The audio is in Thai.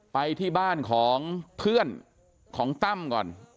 ไปที่บ้านของเพื่อนของตั้มก่อน